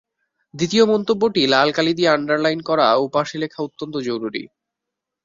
দ্বিতীয় মন্তব্যটি লাল কালি দিয়ে আন্ডারলাইন করা ও পাশে লেখা-অত্যন্ত জরুরি।